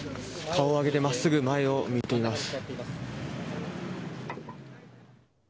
顔を上げてまっすぐ前を見ています。